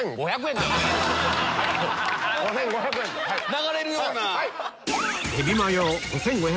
流れるような！